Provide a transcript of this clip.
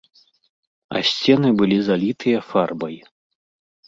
А сцены былі залітыя фарбай.